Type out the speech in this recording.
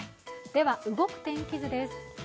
では、動く天気図です。